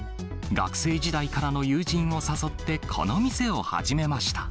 学生時代からの友人を誘ってこの店を始めました。